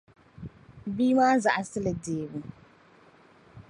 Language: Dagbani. Bia maa zaɣisi li deebu.